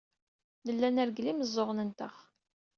Nella nreggel imeẓẓuɣen-nteɣ.